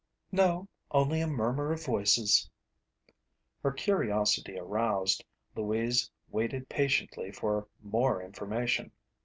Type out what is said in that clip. "No, only a murmur of voices." Her curiosity aroused, Louise waited patiently for more information.